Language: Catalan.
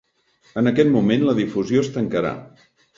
En aquest moment, la difusió es tancarà.